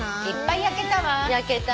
焼けたね。